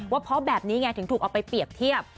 ว่าเพราะแบบนี้ไงถึงถูกเอาไปเปรียบเทียบ